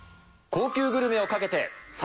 高級グルメをかけて！